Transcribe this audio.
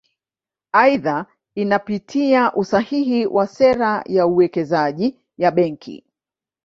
Aidha inapitia usahihi wa sera ya uwekezaji ya Benki